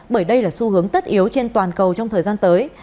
bởi đây là xu hướng tất yếu trên toàn cầu trong thời gian tới